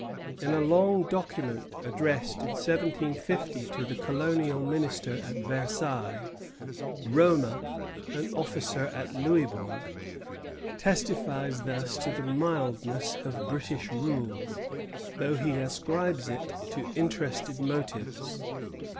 In a long document addressed in 1750 to the Colonial Minister at Versailles, Roma, an officer at Louisbourg, testifies thus to the mildness of British rule, though he ascribes it to interested motives.